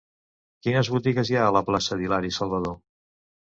Quines botigues hi ha a la plaça d'Hilari Salvadó?